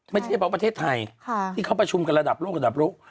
ไม่ใช่เฉพาะประเทศไทยที่เขาประชุมกันระดับโลกระดับโลก